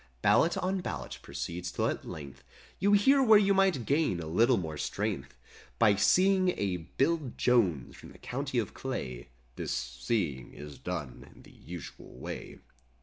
Ballot on ballot proceeds 'till at length You hear where you might gain a little more strength By seeing (?) Bill Jones from the County of Clay— (This "seeing" is done in the usual way).